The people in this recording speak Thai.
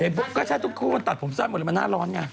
เท่ปุ๊บก็ใช่ทุกครูมันตัดผมสั้นหมดเลยมันหน้าร้อนไง